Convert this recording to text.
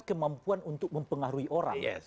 kemampuan untuk mempengaruhi orang